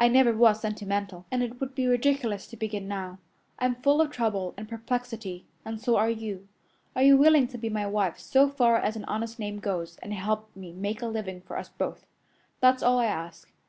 I never was sentimental, and it would be ridiculous to begin now. I'm full of trouble and perplexity, and so are you. Are you willing to be my wife so far as an honest name goes, and help me make a living for us both? That's all I ask.